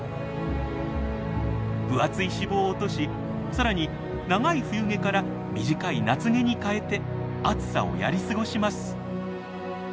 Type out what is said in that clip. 分厚い脂肪を落としさらに長い冬毛から短い夏毛に換えて暑さをやり過ごします。